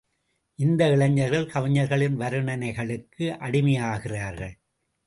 இந்த இளைஞர்கள் கவிஞர்களின் வருணனைகளுக்கு அடிமையாகிறார்கள்.